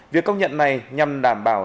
việc công nhận này nhằm đảm bảo